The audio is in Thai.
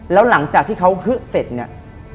แล้วหลังจากที่เขาฮึดเสร็จเนี่ย